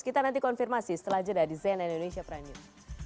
kita nanti konfirmasi setelah jeda di cnn indonesia prime news